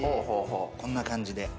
こんな感じで。